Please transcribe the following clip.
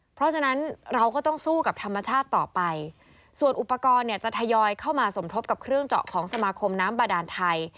เพราะฉะนั้นเราก็ต้องสู้กับธรรมชาติต่อไปส่วนอุปกรณ์เนี่ยจะทยอยเข้ามาสมทบกับเครื่องเจาะของสมาคมน้ำบาดานไทย